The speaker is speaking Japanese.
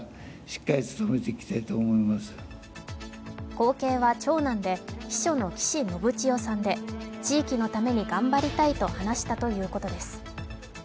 後継は長男で秘書の岸信千世さんで地域のために頑張りたいと話したということです。